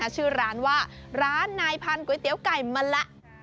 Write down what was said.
ชื่อร้านว่าร้านนายพันก๋วยเตี๋ยวไก่มาละ